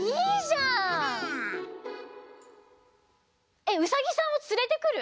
えっウサギさんをつれてくる？